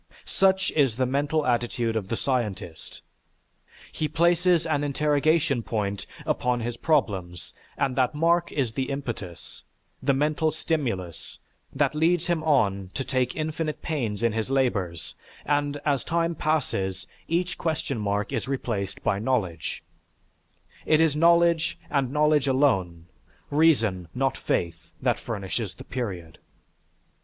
Such is the mental attitude of the scientist. He places an interrogation point upon his problems and that mark is the impetus, the mental stimulus, that leads him on to take infinite pains in his labors and, as time passes, each question mark is replaced by knowledge; it is knowledge and knowledge alone, reason not faith, that furnishes the period.